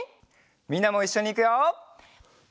みんなもいっしょにいくよ。